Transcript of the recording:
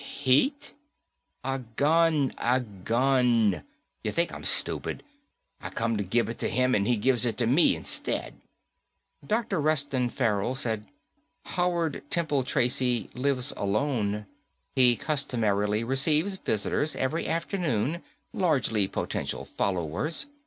"Heat?" "A gun, a gun. Ya think I'm stupid? I come to give it to him and he gives it to me instead." Dr. Reston Farrell said, "Howard Temple Tracy lives alone. He customarily receives visitors every afternoon, largely potential followers.